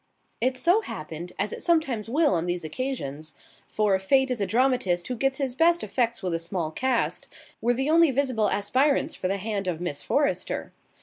It so happened, as it sometimes will on these occasions, for Fate is a dramatist who gets his best effects with a small cast, that Peter Willard and James Todd were the only visible aspirants for the hand of Miss Forrester.